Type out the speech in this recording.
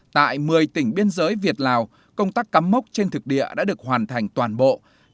tại một mươi tỉnh biên giới việt lào công tác cắm mốc trên thực địa đã được hoàn thành toàn bộ